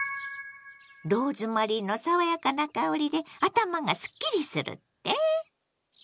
「ローズマリーの爽やかな香りで頭がすっきりする」って？